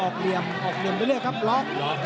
เหลี่ยมออกเหลี่ยมไปเรื่อยครับล็อก